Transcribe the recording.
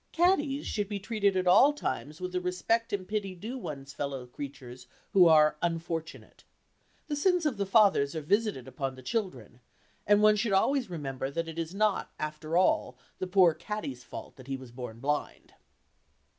Caddies should be treated at all times with the respect and pity due one's fellow creatures who are "unfortunate." The sins of the fathers are visited upon the children, and one should always remember that it is not, after all, the poor caddy's fault that he was born blind.